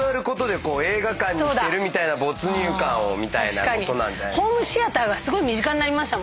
みたいなことなんじゃないですか。